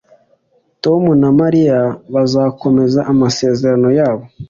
Tom na Mariya bazakomeza amasezerano yabo